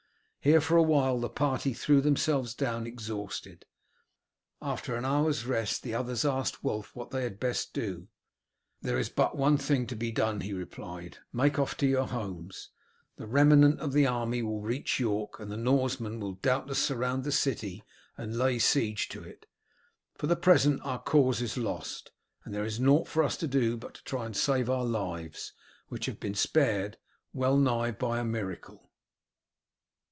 Here for a while the party threw themselves down exhausted. After an hour's rest the others asked Wulf what they had best do. "There is but one thing to be done," he replied; "make off to your homes. The remnant of the army will reach York, and the Norsemen will doubtless surround the city and lay siege to it. For the present our cause is lost, and there is nought for us to do but to try and save our lives, which have been spared well nigh by a miracle."